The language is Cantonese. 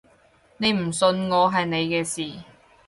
你唔信我係你嘅事